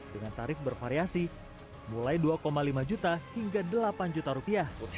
dengan tarif bervariasi mulai dua lima juta hingga delapan juta rupiah